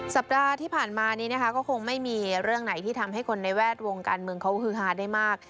สัปดาห์ที่ผ่านมานี้นะคะก็คงไม่มีเรื่องไหนที่ทำให้คนในแวดวงการเมืองเขาฮือฮาได้มาก